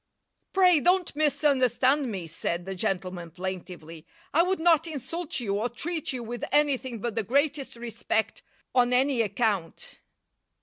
"Pray don't misunderstand me," said the gentleman, plaintively; "I would not insult you or treat you with anything but the greatest respect on any account."